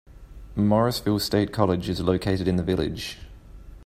Morrisville State College is located in the village.